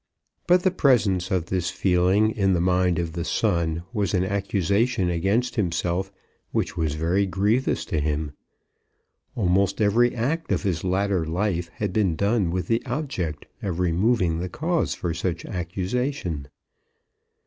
But the presence of this feeling in the mind of the son was an accusation against himself which was very grievous to him. Almost every act of his latter life had been done with the object of removing the cause for such accusation.